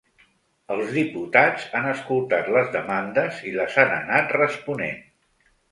Els diputats han escoltat les demandes i les han anat responent.